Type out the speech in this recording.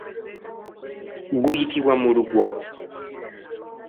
Guyitibwa mulugwa.